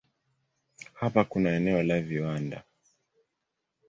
Hapa kuna eneo la viwanda.